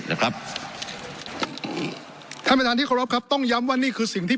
นะครับท่านประธานที่เคารพครับต้องย้ำว่านี่คือสิ่งที่